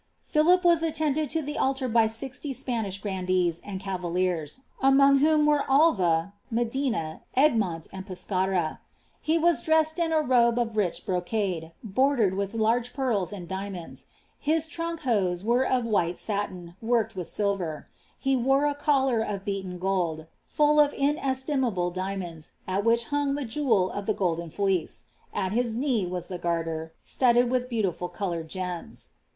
Philip was attended lo tlie altar by sixty Spanish grandees and cava liers, among whom were Alva, Medina, ELgmoni, and Pescarn. Ho wa« dressed in a robe of ricti brocade, bordered with large pearls and dia momls; Ids Inmk hose were of white satin, worked with sUver. 11« wore H 'i illnr of beaten gold, full of inestimable diamonds, at which hung the jc»< l iif the golden tleece^ at his j^nee was the Garter, studded with beautiful coloured gema.